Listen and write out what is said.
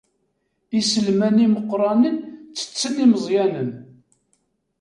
Iselman imeqqranen ttetten imeẓyanen.